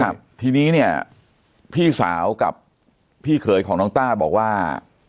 ครับทีนี้เนี่ยพี่สาวกับพี่เขยของน้องต้าบอกว่า